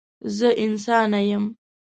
زه انسانه یم.